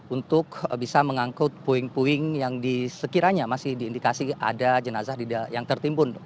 untuk bisa mengangkut puing puing yang disekiranya masih diindikasi ada jenazah yang tertimbun